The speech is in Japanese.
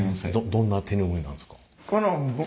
どんな手ぬぐいなんですか？